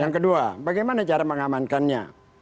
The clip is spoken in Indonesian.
yang kedua bagaimana cara mengamankannya